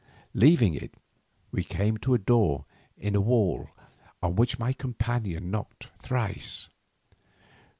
Leaving it, we came to a door in the wall on which my companion knocked thrice.